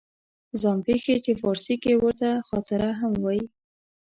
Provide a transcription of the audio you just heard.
ځان پېښې چې فارسي کې ورته خاطره هم وایي